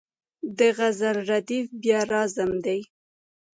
د غزل ردیف بیا راځم دی.